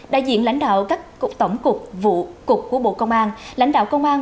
đại diện lãnh đạo các tổng cục vụ cục của bộ công an lãnh đạo công an